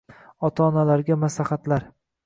Ota-onalarga maslahatlar